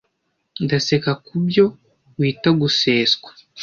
Ndaseka kubyo wita guseswa,